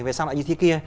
về sau là như thế kia